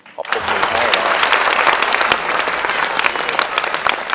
ขอบคุณคุณให้นะครับ